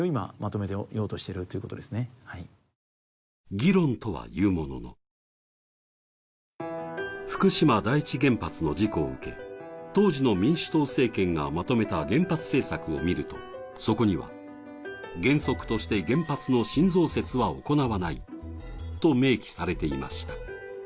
議論とはいうものの福島第一原発の事故を受け、当時の民主党政権がまとめた原発政策を見ると、そこには原則として原発の新増設は行わないと明記されていました。